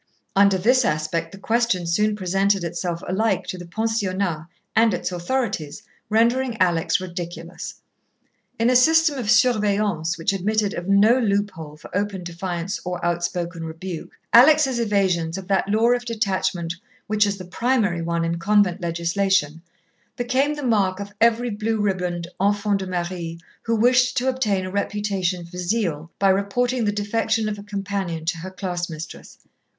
Under this aspect the question soon presented itself alike to the pensionnat and its authorities, rendering Alex ridiculous. In a system of surveillance which admitted of no loophole for open defiance or outspoken rebuke, Alex' evasions of that law of detachment which is the primary one in convent legislation, became the mark of every blue ribboned enfant de Marie who wished to obtain a reputation for zeal by reporting the defection of a companion to her class mistress.